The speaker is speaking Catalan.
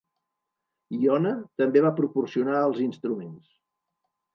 Iona també va proporcionar els instruments.